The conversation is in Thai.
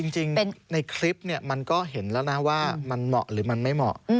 จริงในคลิปมันก็เห็นแล้วนะว่ามันเหมาะหรือมันไม่เหมาะ